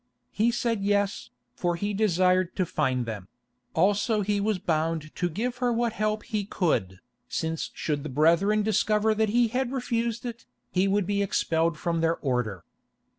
He said yes, for he desired to find them; also he was bound to give her what help he could, since should the brethren discover that he had refused it, he would be expelled from their order.